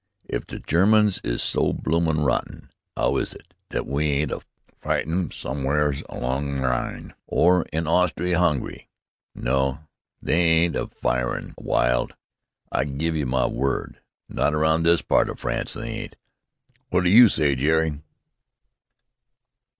If the Germans is so bloomin' rotten, 'ow is it we ain't a fightin' 'em sommers along the Rhine, or in Austry Hungry? No, they ain't a firin' wild, I give you my word! Not around this part o' France they ain't! Wot do you s'y, Jerry?"